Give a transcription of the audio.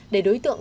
để đối tượng